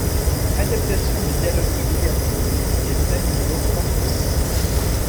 Adaptation des dialogues de William Coryn et Flaminio Corcos.